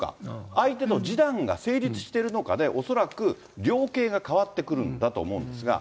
相手と示談が成立しているのかで、恐らく量刑が変わってくるんだと思うんですが。